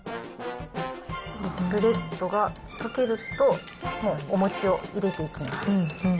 スプレッドが溶けると、お餅を入れていきます。